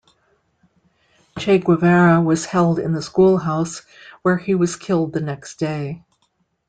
Che Guevara was held in the schoolhouse, where he was killed the next day.